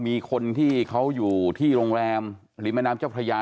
มีคนที่เขาอยู่ที่โรงแรมริมแม่น้ำเจ้าพระยา